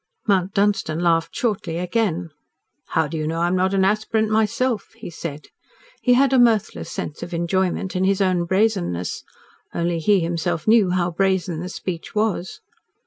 Mount Dunstan laughed shortly again. "How do you know I am not an aspirant myself?" he said. He had a mirthless sense of enjoyment in his own brazenness. Only he himself knew how brazen the speech was.